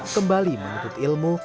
kembali mengikuti ilmu